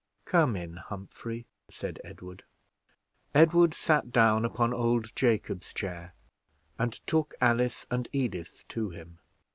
"Come in, Humphrey," said Edward. Edward sat down upon old Jacob's chair, and took Alice and Edith to him.